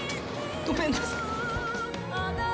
ごめんなさい。